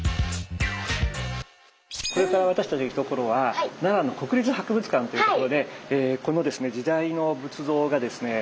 これから私たちが行く所は奈良の国立博物館っていう所でこのですね時代の仏像がですね